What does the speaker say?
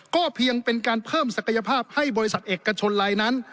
ก็เพียงเป็นการเพิ่มศักยภาพให้บริษัทเอกชนลายนั้น